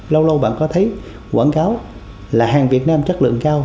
lâu lâu bạn có thấy quảng cáo là hàng việt nam chất lượng cao